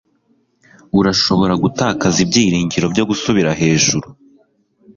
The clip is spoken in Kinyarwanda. urashobora gutakaza ibyiringiro byo gusubira hejuru